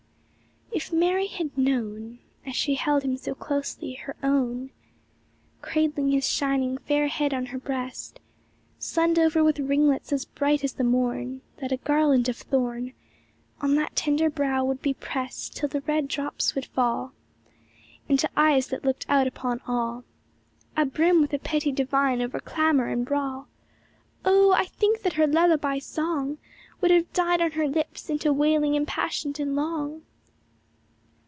114 If Mary had known, As she held him so closely, her own, Cradling his shining, fair head on her breast, Sunned over with ringlets as bright as the morn, That a garland of thorn On that tender brow would be pressed Till the red drops would fall Into eyes that looked out upon all, Abrim with a pity divine over clamor and brawl, Oh, I think that her lullaby song Would have died on her lips into wailing impassioned and long!